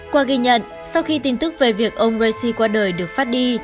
qua ghi nhận sau khi tin tức về việc ông raisi qua đời được phát đi